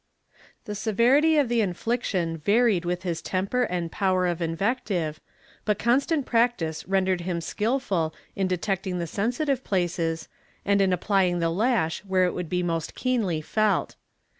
The severity of the infliction varied with his temper and power of invective, but constant practice rendered him skilful in detecting the sensitive places, and in applying the lash where it would be most keenly felt.